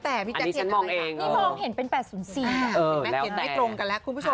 ได้คิดมองให้ตรงกันแล้ว